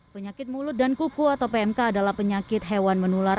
penyakit mulut dan kuku atau pmk adalah penyakit hewan menular